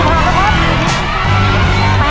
สวัสดีครับ